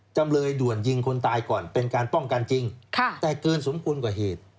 จำเลยด่วนยิงคนตายก่อนเป็นการป้องกันจริงแต่เกินสมควรกว่าเหตุ